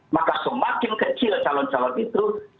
maka semakin kecil calon calon itu semakin besar elektabilitasnya